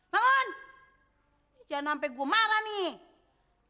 bangun jangan sampe gua marah nih